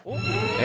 え？